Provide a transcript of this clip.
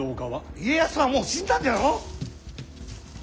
家康はもう死んだんじゃろう？